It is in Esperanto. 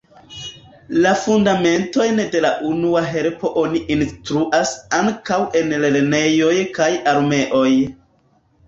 La fundamentojn de la unua helpo oni instruas ankaŭ en lernejoj kaj armeoj.